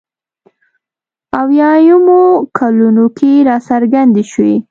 اویایمو کلونو کې راڅرګندې شوې.